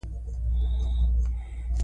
څېړنه د انسان او موږک د کولمو اړیکې څېړي.